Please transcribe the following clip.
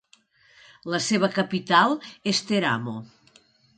La seva capital és Teramo.